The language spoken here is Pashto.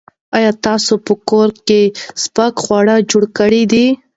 ایا تاسو په کور کې سپک خواړه جوړ کړي دي؟